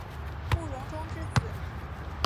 慕容忠之子。